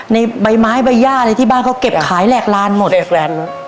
ในใบไม้ใบหญ้าอะไรที่บ้านเขาเก็บขายแหลกลานหมดแหลกลาน